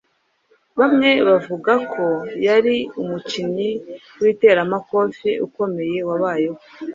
Bamwe bavuga ko yari umukini w'iteramakofe ukomeye wabayeho.